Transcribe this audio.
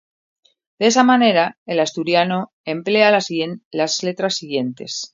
De esta manera, el asturiano emplea las letras siguientes.